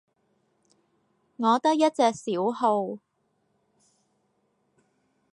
我得一隻小號